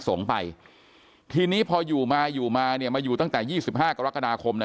สงฆ์ไปทีนี้พออยู่มาอยู่มาเนี่ยมาอยู่ตั้งแต่๒๕กรกฎาคมนะ